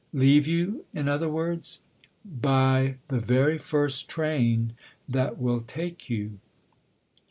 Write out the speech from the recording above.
" Leave you, in other words ?"" By the very first train that will take you."